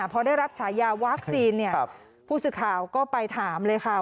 พอได้รับฉายาวัคซีนผู้สื่อข่าวก็ไปถามเลยค่ะ